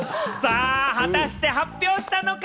果たして発表したのか？